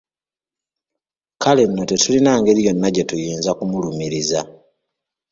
Kale nno tetulina ngeri yonna gye tuyinza kumulumiriza.